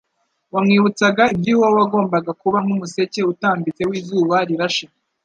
wamwibutsaga iby'Uwo wagombaga kuba nk' ''umuseke utambitse w'izuba rirashe